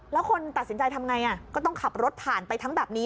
แล้วคนตัดสินใจทำไงก็ต้องขับรถผ่านไปทั้งแบบนี้